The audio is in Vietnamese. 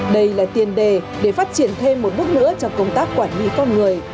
đây là tiền đề để phát triển thêm một bước nữa cho công tác quản lý con người